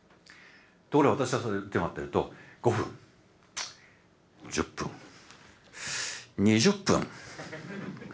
ところが私がそれを待ってると５分１０分２０分３０分。